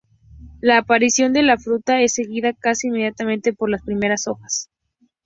La aparición de la fruta es seguida casi inmediatamente por las primeras hojas.